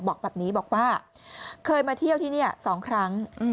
บอกแบบนี้บอกว่าเคยมาเที่ยวที่นี่๒ครั้ง